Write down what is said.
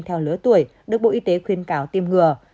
theo lứa tuổi được bộ y tế khuyên cáo tiêm ngừa